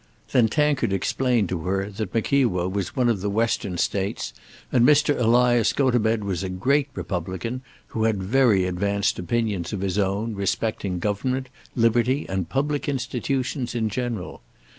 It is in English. Then Tankard explained to her that Mickewa was one of the Western States and Mr. Elias Gotobed was a great Republican, who had very advanced opinions of his own respecting government, liberty, and public institutions in general.